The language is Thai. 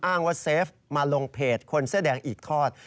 อ้างว่าเซฟมาลงเพจคนเสื้อแดงอีกทอด